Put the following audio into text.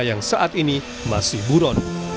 yang saat ini masih buron